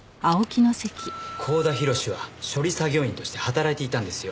光田廣は処理作業員として働いていたんですよ。